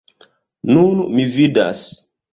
Nun mi vidas.